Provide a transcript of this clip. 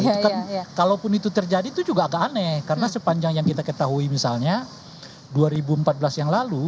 itu kan kalaupun itu terjadi itu juga agak aneh karena sepanjang yang kita ketahui misalnya dua ribu empat belas yang lalu